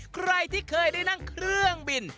ใครที่เคยได้นั่งเครื่องบิน